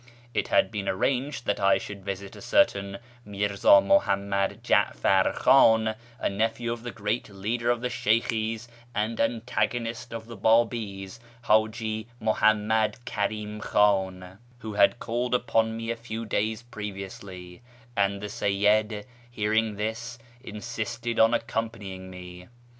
It had been arranged that I should visit a certain Mirza Muhammad Ja'far Khan (a nephew of the great leader of the Sheykhis and antagonist of the Babis, Haji Muhammad Karim Khan), who had called upon me a few days previously : and the Seyyid, hearing this, insisted on accompany ing me.